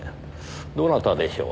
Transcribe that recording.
どなたでしょう？